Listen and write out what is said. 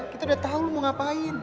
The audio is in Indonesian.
kita udah tahu lo mau ngapain